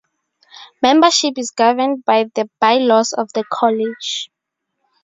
Membership is governed by the by-laws of the college.